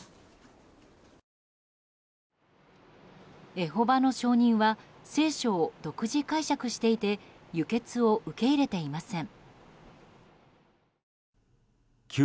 エホバの証人は聖書を独自解釈していて輸血を受け入れていません。